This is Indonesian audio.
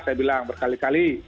saya bilang berkali kali